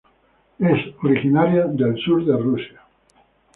Es originaria del sur de Rusia.